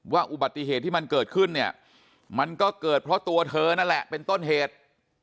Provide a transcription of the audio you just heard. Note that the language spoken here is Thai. อุบัติเหตุที่มันเกิดขึ้นเนี่ยมันก็เกิดเพราะตัวเธอนั่นแหละเป็นต้นเหตุ